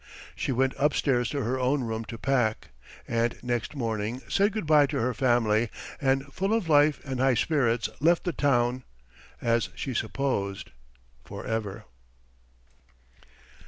She went upstairs to her own room to pack, and next morning said good bye to her family, and full of life and high spirits left the town as she supposed for ever.